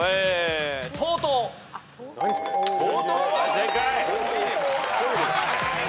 正解。